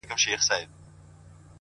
يوه د ميني زنده گي راوړي’